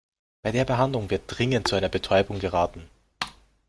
Bei der Behandlung wird dringend zu einer Betäubung geraten.